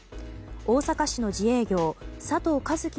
大阪市の自営業佐藤和樹